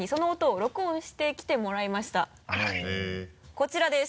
こちらです。